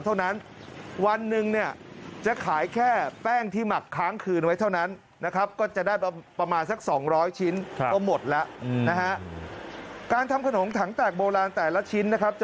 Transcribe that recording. ตั้งแต่ชิ้นละบาทอ่ะ